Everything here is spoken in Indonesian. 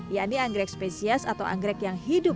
yaitu anggrek spesias atau anggrek yang hidup